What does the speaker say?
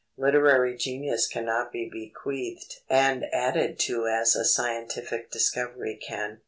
Literary genius cannot be bequeathed and added to as a scientific discovery can.